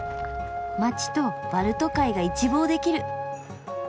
街とバルト海が一望できる。